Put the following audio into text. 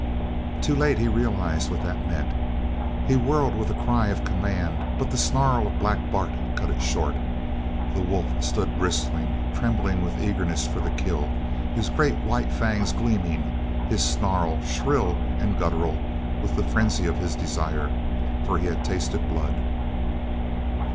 Too late he realized what that meant. He whirled with a cry of command, but the snarl of Black Bart cut it short. The wolf stood bristling, trembling with eagerness for the kill, his great white fangs gleaming, his snarl shrill and guttural with the frenzy of his desire, for he had tasted blood.